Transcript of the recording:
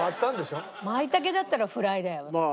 マイタケだったらフライだよ。